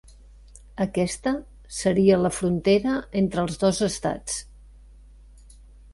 Aquesta seria la frontera entre els dos estats.